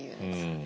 うん。